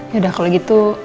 yaudah kalau gitu